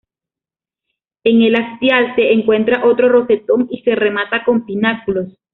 En el hastial se encuentra otro rosetón y se remata con pináculos.